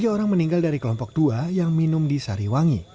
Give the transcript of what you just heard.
tiga orang meninggal dari kelompok dua yang minum di sariwangi